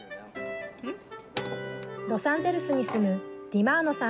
ロサンゼルスに住むディマ−ノさん